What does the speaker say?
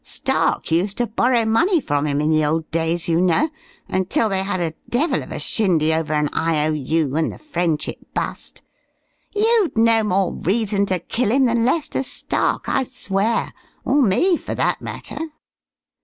Stark used to borrow money from him in the old days, you know, until they had a devil of a shindy over an I.O.U. and the friendship bust. You'd no more reason to kill him than Lester Stark, I swear. Or me, for that matter."